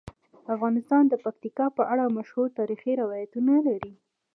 افغانستان د پکتیکا په اړه مشهور تاریخی روایتونه لري.